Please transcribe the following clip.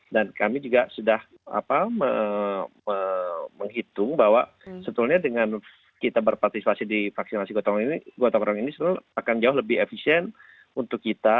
dan kami juga sudah menghitung bahwa setelahnya dengan kita berpartisipasi di vaksinasi gotong royong ini akan jauh lebih efisien untuk kita